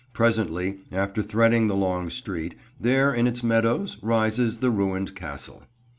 Presently, after threading the long street, there in its meadows rises the ruined Castle.